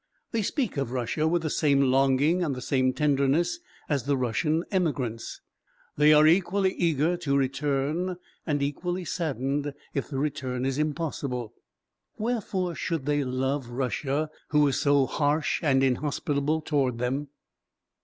They speak of Russia with the same longing and the same tenderness as the Russian emigrants; they are equally eager to return and equally saddened if the return is impossible. Wherefore should they love Russia, who is so harsh and inhospitable toward them?